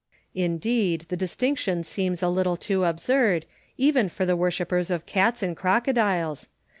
Indeed the distinction seems a little too absurd, even for the worshippers of cats and crocodiles.